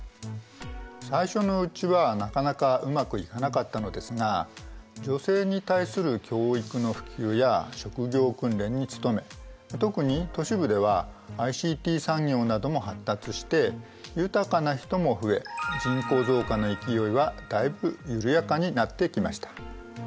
最初のうちはなかなかうまくいかなかったのですが女性に対する教育の普及や職業訓練に努め特に都市部ではＩＣＴ産業なども発達して豊かな人も増え人口増加の勢いはだいぶ緩やかになってきました。